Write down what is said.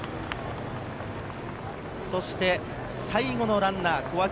そして最後のランナー、小涌園